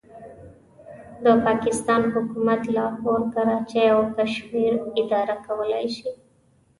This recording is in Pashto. د پاکستان حکومت لاهور، کراچۍ او کشمیر اداره کولای شي.